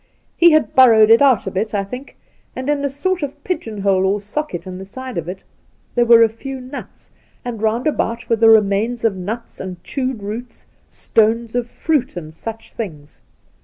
He had burrowed it out a bit, I think, and in a sort of pigeon hole or socket in the side of it there were a few nuts, and round about there were the remains of nuts and chewed roots, stones of fruit, and such things.